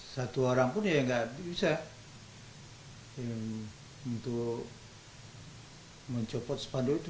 satu orang pun ya nggak bisa untuk mencopot spanduk itu